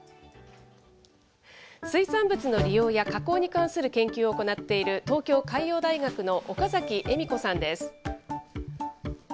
水産物の利用や加工に関する研究を行っている東京海洋大学の岡崎惠美子さんです。